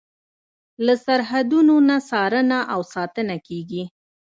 له سرحدونو نه څارنه او ساتنه کیږي.